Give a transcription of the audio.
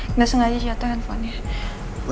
enggak sengaja siatoh handphonenya